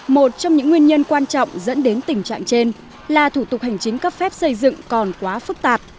một trong những nguyên nhân quan trọng dẫn đến tình trạng trên là thủ tục hành chính cấp phép xây dựng còn quá phức tạp